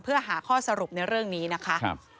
เพื่อหาข้อสรุปในเรื่องนี้นะคะ